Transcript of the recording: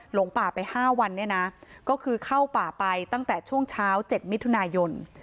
หลงป่าไป๕วันเนี่ยนะก็คือเข้าป่าไปตั้งแต่ช่วงเช้า๗มิถุนายน